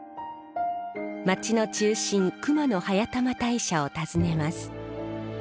街の中心熊野速玉大社を訪ねます。